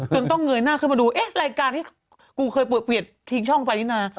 จนต้องเงยหน้าขึ้นมาดูเอ๊ะรายการที่กูเคยเปลี่ยนทิ้งช่องไปนี่นะ